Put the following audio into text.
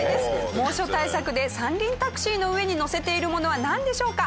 猛暑対策で三輪タクシーの上にのせているものはなんでしょうか？